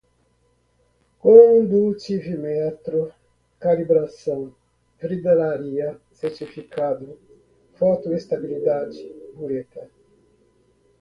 turbidímetro, freezer, condutivimetro, calibração, vidraria, certificado, fotoestabilidade, bureta